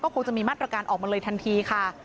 คงจะมีมาตรการออกมาเลยทันทีค่ะ